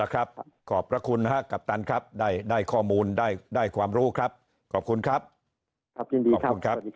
ครับขอบคุณครับครับยินดีครับขอบคุณครับสวัสดีครับ